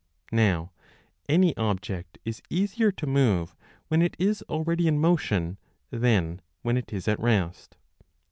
Now any object is easier to move when it is already in motion than when it is at rest.